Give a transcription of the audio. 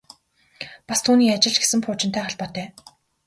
Бас түүний ажил ч гэсэн пуужинтай холбоотой.